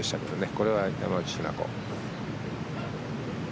これは山内日菜子。